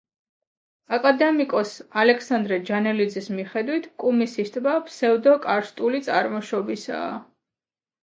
აკადემიკოს, ალექსანდრე ჯანელიძის მიხედვით, კუმისის ტბა ფსევდოკარსტული წარმოშობისაა.